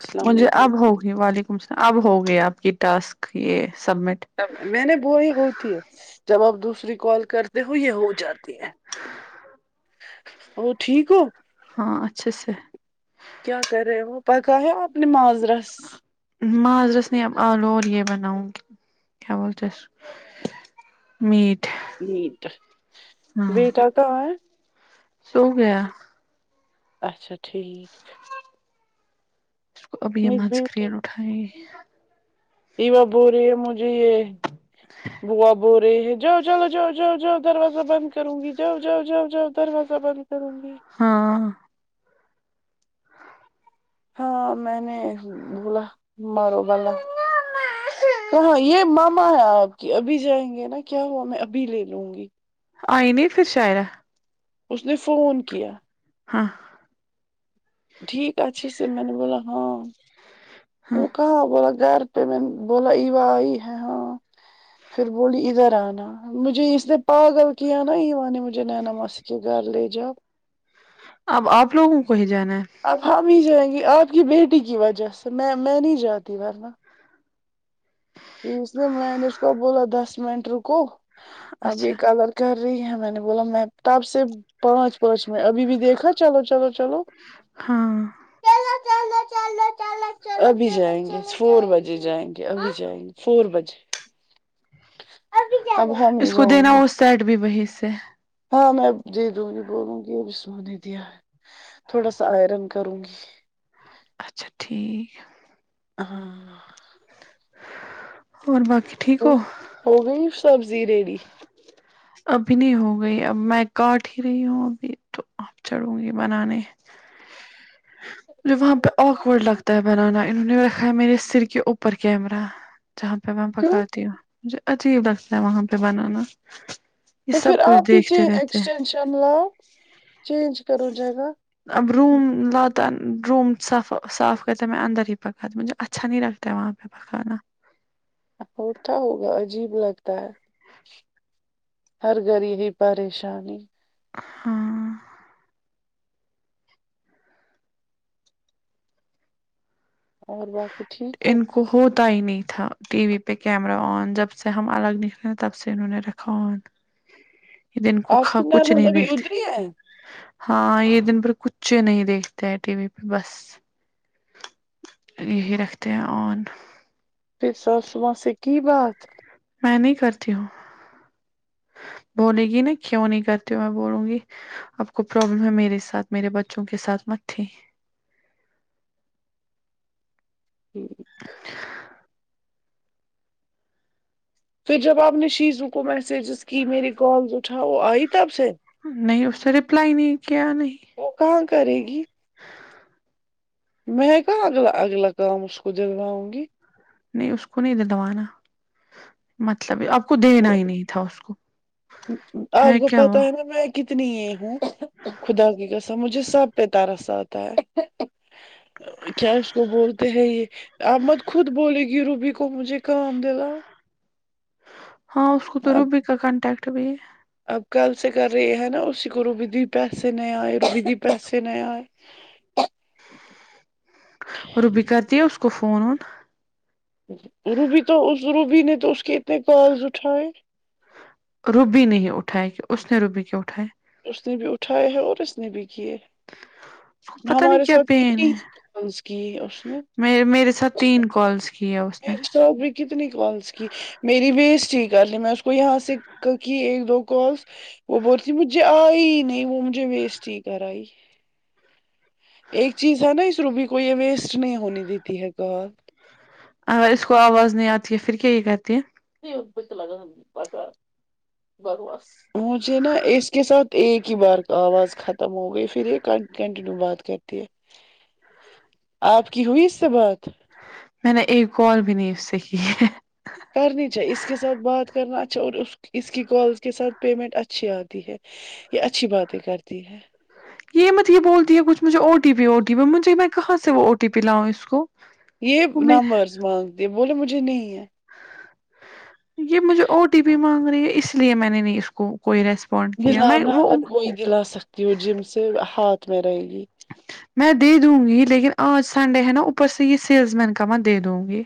السلام مجھے اب علیکم ہوگی وعلیکم السلام اب ہوگی آپ کی ٹاسک یے سبمٹ میں نے بولی ہوتی ہے جب آپ دوسری کال کرتے ہو یے ہو جاتی ہے اور ٹھیک ہو ہاں اچھے سے کیا کر رہے وہ پکایا آپ نے معاذرس ماذرس نہیں اب آلو اور یے بناؤں گی کیا بولتے ہیں اس میٹ میٹ ہاں بیٹا کہا ہے سو گیا اچھا ٹھیک اب یے میری مذ بیٹی کررین اٹھائی ایوا بول رہی ہے مجھے یے بوا بول رہی ہے جاؤ چلو جاؤ جاؤ جؤ دروازہ بند کروں گی جاؤ جاؤ جاؤ جاؤ دروازہ بند کروں گی ہاں ہاں میں نے بولا مارو با ہاں ہاں یے ماما ہے آپ کی ابھی جائیں گے نا کیا ہوا میں ابھی لے لوں گی آئینے پھر شاید اس نے فون کیا ہاں ٹھیک اچھے سے میں نے بولا ہاں ہاں وہ کہاں بولا گھر پے میں بولا ایوا آئی ہے ہاں پھر بولی ادھر آنا مجھے اس نے پاگل کیا ہے نا ایوا مجھے نینا ماسی کی گھر لے جاو آپ اب آپ لوگوں کو ہی جانا ہے اب ہم ہی جائیں گے آپ کی بیٹی کی وجہ سے میں میں نہیں جاتی ورنہ اس نے میں نے اس کو بولا دس منٹ رکو اب یے اچھا کلر کر رہی ہے میں نے بولا میں تب سے پانچ پانچ میں ابھی بھی دیکھا چلو چلو چلو ہاں چلو چلو چلو چلو چلو چلو چلو چلو ابھی جائیں گے فور بجے جائیں گے ابھی جائیں گے فور بجے اب ہم اس ہی کو جائیں دینا گے وہ سیٹ بھی وہی سے ہاں میں دیدوگی بولوں گی اس نے دیا ہے تھوڑا سا آئرن کروں گی اچھا ٹھیک ہاں اور باقی ٹھیک ہو اور ہو گئی سبزی ریڈی ابھی نہیں ہو گئی اب میں کاٹ ہی رہی ہوں ابھی تو اب چڑوں گی بنانے وہاں پے آکورڈ لگتا تا ہے بنانا انہوں نے رکھا ہے میرے سر کے اوپر کیمرہ جہاں پے میں کیوں پکاتی ہوں مجھے عجیب لگتا ہے وہاں پے بنانا یہ تو پھر سب کچھ آپ ہی چے دیکھتے رہتے ہیں ایکسٹینشن لاؤ چینج کرو جاگہ اب روم لاتا روم صاف صاف کرتے میں اندر ہی پکاتی مجھے اچھا نہیں لگتا وہاں پے کھنا ہوتا ہوگا عجیب لگتا ہے ہر غریب ہی پریشان ہیں ہاں اور باقی ٹھیک ہو ان ہوتا ہی نہیں تھا ٹی وی پے کیمرا آن جب سے ہم الگ نکلے تب سے انہوں نے رکھا ہوا تھا یے دن کو آپ کا کی کچھ نانند نہیں ابھی دیکھتے ادھری ہے ہاں یے دن بھر کچھ نہیں دیکھتے ہیں ٹی وی پے بس یہی رکھتے ہیں ان پہر ساسو ماں سے کی بات میں نہیں کرتی ہوں بولے گی نا کیوں نہیں کرتی ہو میں بولوں گی آپ کو پرابلم ہے میرے ساتھ میرے بچوں کے ساتھ مت تھی پھر جب آپ نے شیزو کو میسیجز کی میری کال جو اٹھا وہ آئی تب سے نہیں اس نے رپلائی نہیں کیا نہیں وہ کہاں کرے گی میں کہاں اگلا اگلا کام اس کو دلواؤں گی نہیں اس کو نہیں دلوانا مطلب یے آپ کو دینا وہ- ہی نہیں تھا اس کو آپ ہے کو کیا پتہ وہ ہے نا میں کتنی یے ہوں خدا کی قسم مجھے سب پے ترس اتتا ہے کیا اس کو بولتے ہیں یے احمت خود بولے گی روبی کو مجھے کام دلا ہاں اس کو تو اب روبی کا کانٹیکٹ بھیی ہے اب کل سے کر رہی ہے نا اسی کو روبی دی پیسے نہیں آئے روبی دی پیسے نہیں آئے روبی کرتی ہے اس کو فون ون روبی تو اس روبی نے تو اسس کے اتنے کالز اٹھائے روبی نہیں اٹھائے کہ اس نے روبی کی اٹھائے اس نے بھی اٹھائے ہے اور اس نے بھی کیے پتہ نہیں ہمارے کیا ساتھ کتنی کالس کی ہے اس نے میں میرے ساتھ تین کلس کیا اس نے بھی کتنی کالس کی میری ویسٹ کرتی میں اس کو یہاں سے کی ایک دو کالس وہ بول رہی تھی مجھے آئی نہیں وہ مجھے ویسٹ ہی کرائی ایک چیز ہے نا اس روبی کو یے ویسٹ نہیں ہونی دیتی ہے کال اگر اس کو آواز نہیں آتی ہے پھر کیا یے کرتی ہے نہیں ان کو تو لگانا بکواس بکواس مجھے نا اس کے ساتھ ایک ہی بار آواز ختم ہو گئی پھر یے کنٹینیو بات کرتی ہے [inaudible] آپ کی ہوئی اس سے بات میں نے ایک کال بھی نہیں اس سے کی ہے کرنی چاہیے اس کے ساتھ بات کرنا اچھا اور اس اس کی کال کے ساتھ پیمنٹ اچھی آتی ہے یے اچھی باتیں کرتی ہے یے مجھے یے بولتی ہےچھ مجھے O T P O T P مجھے میں کہاں سے وہ او ٹی پی لاؤں اس کو یے وہ میرا نمبرز مانگ تی بولے مجھے نہیں ہے یے مجھے اوو وٹپ پی مانگ رہی ہے اس لیے میں نے نہیں اس کو کوئی ریسپونڈ کیا میں دلانا وہ اگر کوئی دلا سک وہ جم سے ہاتھ میں رہے گی میں دے دوں گی لیکن آج سنڈے ہے نا اوپر سے یے سیلس مین کا میں دے دوں گی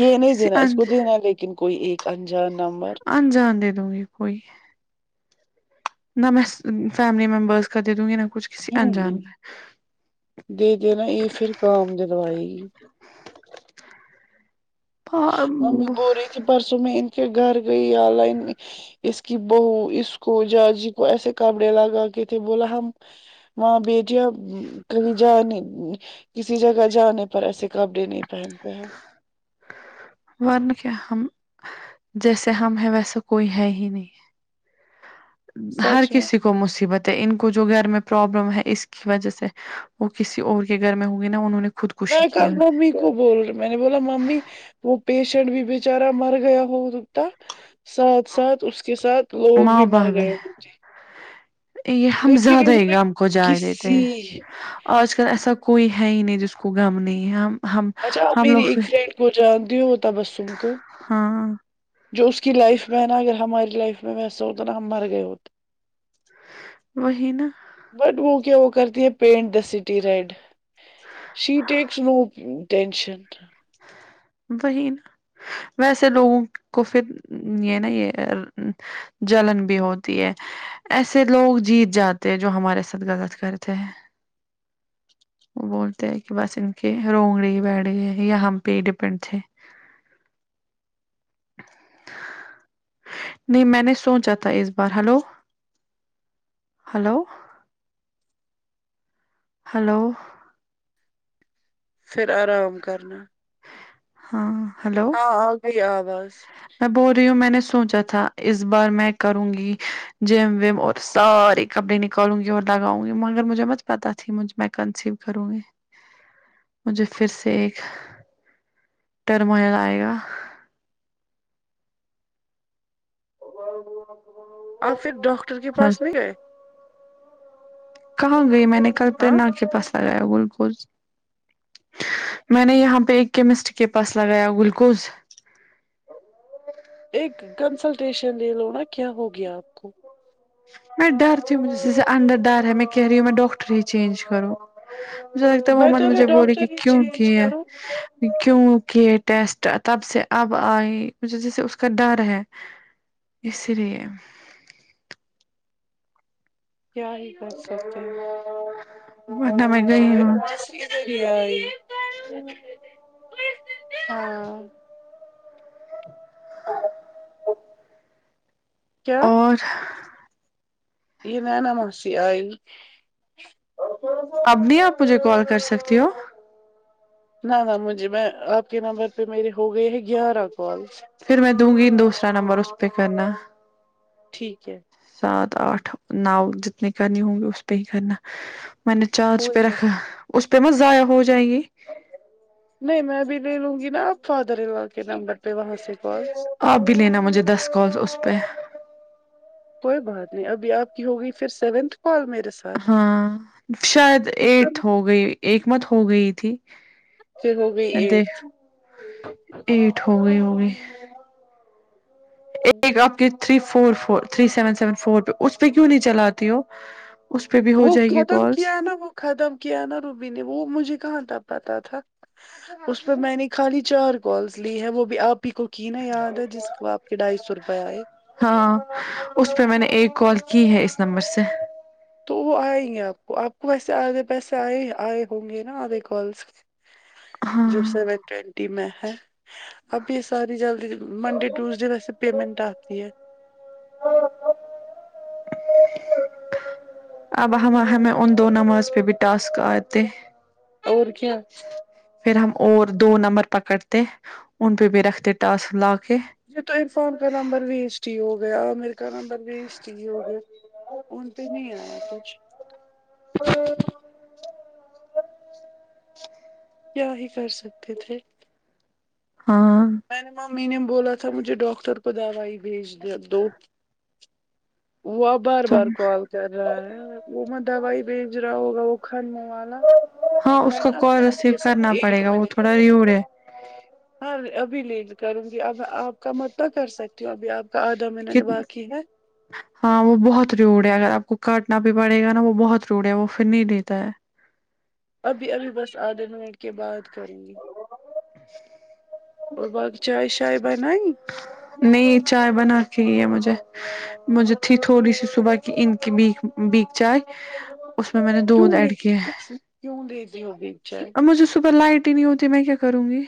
یے نہیں کسی دیرا اس ان کو دینا ہے لیکن کوئی ایک انجان نمبر انجان دے دوں گی کوئی نمبرس فیملی ممبرس کا دے دوں گی نہ کچھ کسی جی جی انجان دے دینا یہ پھر کام کروائے گی کا ممی بول رہی تھی پرسوں میں ان کے گھر گئی [unintelligible] اس کی بہو اس کو جاجی کو ایسے کپڑے لگا کے تھے بولا ہم وہاں بیٹیاں کہی جانے کسی جگہ جانے پر ایسے کپڑے نہیں پہنتے ہیں ورنہ کیا ہم جیسے ہم ہیں ویسا کوئی ہے ہی نہیں ہر سچ میں کسی کو مصیبت ہے ان کو جو گھر میں پرابلم ہے اس کی وجہ سے وہ کسی اور کے گھر میں ہوگی نا انہوں نے میں خودکشی نے کی کل ہوگی۔ ممی کو بول رہی میں نے بولا ممی وہ پیشنٹ بھی بچارا مر گیا ہو سکتا ساتھ ساتھ اس کے ساتھ لوگ بھی مر گئے ہوتے یے ہم زیادہ ہی نے ہم گم کو جائے دیتے کسی ہیں آج کل ایسا کوئی ہے ہی نہیں جس کو گم نہیں ہے ہم ہم ہم لوگ پھر پھر جانتی ہو وہ تبسم کو ہاں جو اس کی لائف میں ہے نا اگر ہماری لائف میں ویسا ہوتا نا ہم مر گئے ہوتے وہی نا بٹ وہ کیا وہ کرتی ہے پینٹ دا سٹی ریڈ سی ٹیکس نو ٹینشن وہی نا ویسے لوگوں کو پھر یے نا یے جلن بھی ہوتی ہے ایسے لوگ جیت جاتے ہیں جو ہمارے ساتھ غلط کرتے ہیں وہ بولتے ہیں کی بس ان کے [unintelligible] یے ہم پے ہی ڈپینڈ تھے نہیں میں نے سوچا تھا اس بار ہلو ہلو ہیلو پھر آرام کرنا ہاں ہیلو ہاں آ گئی آواز میں بول رہی ہوں میں نے سوچا تھا اس بار میں کروں گی جم وم اور ساری کپڑے نکالوں گی اور لگاؤں گی مگر مجھے مت پتہ تھی مجھ میں کنسیو کروں گی مجھے پھر سے ایک ٹرمئل آئے گا [unintelligible] آپ پھر ڈاکٹر کے پاس نہیں گئے کہاں گئی میں نے کل ہاں کے [unintelligible] پاس میں نے یہاں پے ایک کیمسٹ کے پاس لگایا گلکوز ایک کنسلٹیشن لے لو نا کیا ہوگیا آپ کو میں ڈرتی ہوں مجھے جیسے انڈر ڈر ہے میں کہہ رہی ہوں میں ڈاکٹر ہی چینج کروں مجھے لگتا تو ہے وہ مت بیٹر مجھے بولے گی ڈاکٹر ہی کیوں چینج کی ہے کرو کیونکہ ٹیسٹ تب سے اب آئی مجھے جیسے اس کا ڈر ہے اس لیے کیا ہے [unintelligible] میں گئی شاکرا ہوں ماسی کی بیٹی ہاں [unintelligible] کیا [unintelligible] یے نینا ماسی آئی اب نہیں آپ مجھے کال کر سکتی ہو نہ نہ مجھے میں آپ کے نمبر پے میرے ہوگئے ہیں گیارہ کالس پھر میں دوں گی دوسرا نمبر اس پے کرنا ٹھیک ہے سات آٹھ نو جتنی کرنی ہوں گی اس پے ہی کرنا میں نے چارج کوئی پے بات رکھا اس پے مت ضائع ہو جائے گی نہیں میں بھی لے لوں گی نا اب فادر ان لو کے نمبر پہ وہاں سے کالس آپ بھی لینا مجھے دس کالس اس پے کوئی بات نہیں ابھی آپ کی ہوگی پھر سیونتھ کال میرے سات ہاں شاید سمے ایٹتھ ہو گئی ایک مت ہو گئی تھی پھر ہو گئی میں دیکھ ایٹتھ ایٹ ہوگئی ہوگی ایک آپ کی three four four three seven seven four پے اس پے کیوں نہیں چلاتی ہو اس پے بھی ہو وہ جائے گی ختم کالس کیا نا وہ ختم کیا نا روبی نے وہ مجھے کہاں تب پتہ تھا اس پے میں نے خالی چار کالس لی ہے وہ بھی آپ پی کو کی نا یاد ہے جس کو آپ کے ڈھائی سو روپے آئے ہاں اس پے میں نے ایک کال کی ہے اس نمبر سے تو وہ آئے گے آپ کو آپ کو ویسے آدھے پیسے آئے آئے ہوں گے ناں آدھے کالس [inaudible] جو سیون ٹوینٹی میں ہے اب یے ساری جلدی منڈے ٹیوزڈے ویسے پیمنٹ آتی ہے اب ہما ہمیں ان دو نماز پے بھی ٹاسک آتے اور کیا پھر ہم اور دو نمبر پکڑتے ان پے بھی رکھتے ٹاسک لا کے یے تو عرفان کا نمبر ویسٹ ہی ہوگیا عامر کا نمبر ویسٹ سٹ ہی ہو گیا ان پے نہیں آیا کچھ [unintelligible] کیا ہی کر سکتے تھے ہاں میں نے ممی نے بولا تھا مجھے ڈاکٹر کو دوائی بھیج دو وہ بار بار کال چل رہا ہے وہ میں دوائی بھیج رہا ہوگا وہ کھانے والا ہاں اب اس ہے کا نا کال آپ ریسیو کے ساتھ کرنا پڑے ایک گا وہ منٹ تھوڑا ریوڈ ہے ہاں ابھی لیل کروں گی اب آپ کا مت تو کر سکے کیوں ابھی آپ کا آدھا منٹ باقی ہے ہاں وہ بہت ریوڑ ہے اگر آپ کو کاٹنا بھی پڑے گا نا وہ بہت ریوڑ ہے وہ پھر نہیں لیتا ہے ابھی ابھی بس آدھے منٹ کے بعد کرونگی [unintelligible] اور بھابی چائے شائے بنائی نہیں چائے بناتی ہے مجھے مجھے تھی تھوڑی سی صبح کی ان کی بیک بیک چائے اس میں نے کیوں دودھ ایڈ دتی کیا ہے کیوں [unintelligible] ہو گی چائے اب مجھے صبح لائٹ ہی نہیں ہوتی میں کیا کروں گی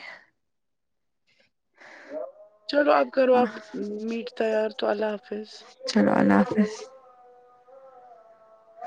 چلو آپ کرو آپ میٹ تیار تو اللہ حافظ چلو اللہ حافظ